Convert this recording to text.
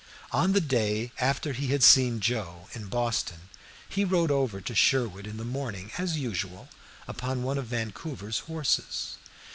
On the day after he had seen Joe in Boston he rode over to Sherwood in the morning, as usual, upon one of Vancouver's horses.